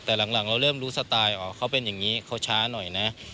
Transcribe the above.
แต่หลังเราเริ่มรู้สไตล์อ๋อเขาเป็นอย่างนี้เขาช้าหน่อยนะ